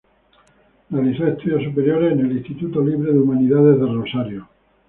Realizó estudios superiores en el "Instituto Libre de Humanidades de Rosario".